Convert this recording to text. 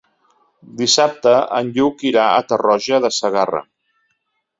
Dissabte en Lluc irà a Tarroja de Segarra.